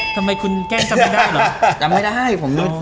ทำไมคุณแก้นจำไม่ได้หรอ